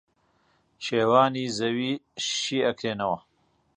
کێوانی زەوی شی ئەکرێنەوە